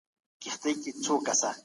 حق پالنه زموږ د اسلافو لاره ده.